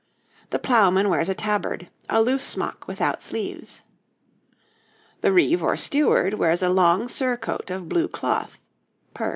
THE PLOUGHMAN wears a tabard, a loose smock without sleeves. THE REVE OR STEWARD wears a long surcoat of blue cloth (pers).